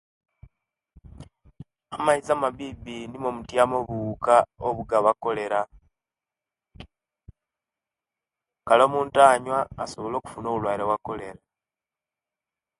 Amaizi amabibi nimwo omutiama obuwuka obugaba kolera kale omuntu owanyuwa asobola okufuna obulwaire obwa'kolera